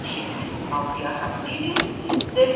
واقعيتونه په هغه وخت کي نه بيانېدل.